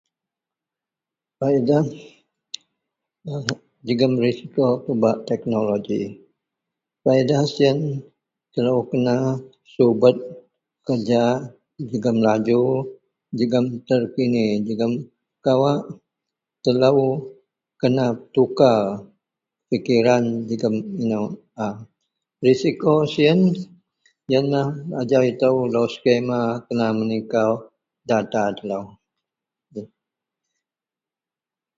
faedah jegum resiko pebak teknology, faedah sien telo kena subet keja jegum laju, jegum terkini jegum kawak telo kena petukar pikiran jegum ino aa risiko sien yen lah ajau ito lo scammer kena menikau data telo.